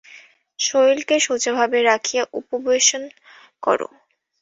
শরীরকে সোজাভাবে রাখিয়া উপবেশন কর।